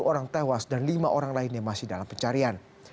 dua puluh orang tewas dan lima orang lainnya masih dalam pencarian